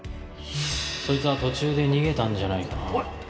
そいつは途中で逃げたんじゃないかな。